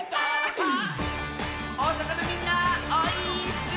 おおさかのみんなオイーッス！